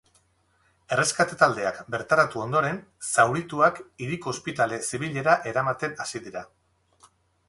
Erreskate taldeak bertaratu ondoren, zaurituak hiriko ospitale zibilera eramaten hasi dira.